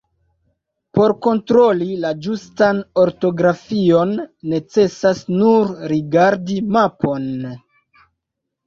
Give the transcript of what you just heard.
Por kontroli la ĝustan ortografion necesas nur rigardi mapon...